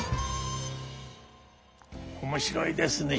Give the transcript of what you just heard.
面白いですね。